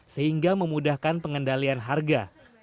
sehingga memudahkan pengendalian harga